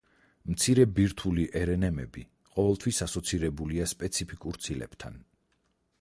მცირე ბირთვული რნმ-ები ყოველთვის ასოცირებულია სპეციფიკურ ცილებთან.